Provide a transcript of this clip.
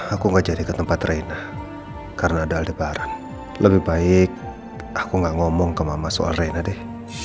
aku gak jadi ke tempat reina karena ada barang lebih baik aku gak ngomong ke mama soal reina deh